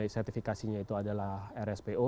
sertifikasinya itu adalah rspo